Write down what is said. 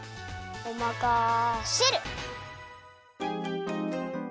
おまかシェル！